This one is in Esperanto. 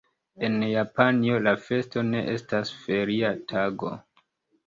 En Japanio la festo ne estas feria tago.